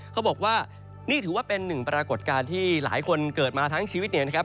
เขาบอกว่านี่ถือว่าเป็นหนึ่งปรากฏการณ์ที่หลายคนเกิดมาทั้งชีวิตเนี่ยนะครับ